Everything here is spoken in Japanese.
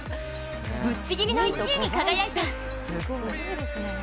ぶっちぎりの１位に輝いた。